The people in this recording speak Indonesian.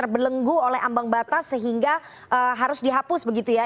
terbelenggu oleh ambang batas sehingga harus dihapus begitu ya